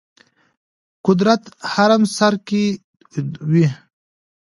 قدرت هرم سر کې وي.